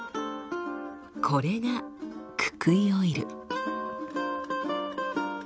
これがククイオイル。